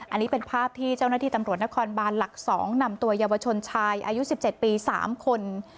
อันนี้เป็นภาพที่เจ้าหน้าที่ตำรวจนครบานหลัก๒นำตัวเยาวชนชายอายุ๑๗ปี๓คน